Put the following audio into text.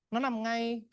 nó nằm ngay